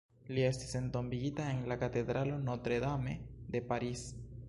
Li estis entombigita en la katedralo Notre-Dame de Paris.